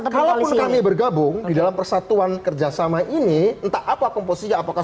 kalaupun kami bergabung di dalam persatuan kerjasama ini entah apa komposisi apakah